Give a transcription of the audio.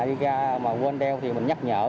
đi ra mà quên đeo thì mình nhắc nhở